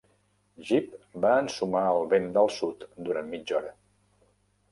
Jip va ensumar el vent del sud durant mitja hora.